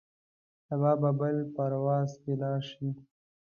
سبا به بل پرواز کې لاړ شې.